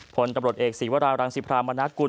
ผลตำรวจเอกศีวรารังสิพรามนากุล